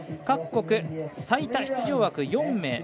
各国最多出場枠４名。